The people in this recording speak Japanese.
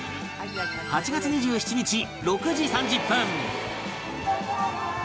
８月２７日６時３０分